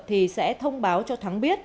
thì sẽ thông báo cho thắng biết